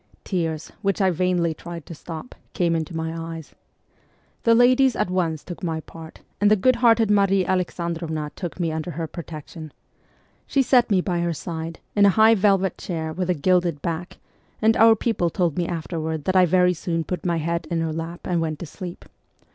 Tears, which I vainly tried to stop, came into my eyes. The ladies at once took my part, and the good hearted Marie Alexandrovna took me under her protection. She set me by her side, in a high velvet chair with a gilded back, and our people told me afterward that I very soon put my head in her lap and went to sleep.